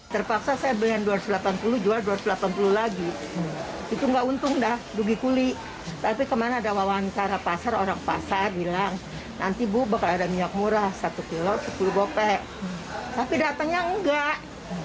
tapi datangnya enggak